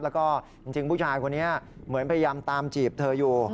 แล้วก็จริงผู้ชายคนนี้เหมือนพยายามตามจีบเธออยู่